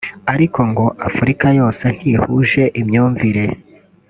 ariko ngo Afurika yose ntihuje imyumvire